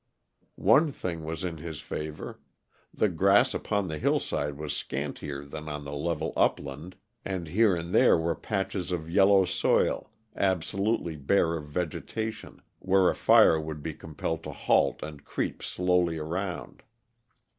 One thing was in his favor: The grass upon the hillside was scantier than on the level upland, and here and there were patches of yellow soil absolutely bare of vegetation, where a fire would be compelled to halt and creep slowly around.